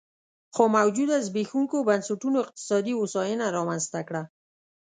خو موجوده زبېښونکو بنسټونو اقتصادي هوساینه رامنځته کړه